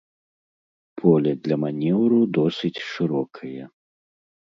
Поле для манеўру досыць шырокае.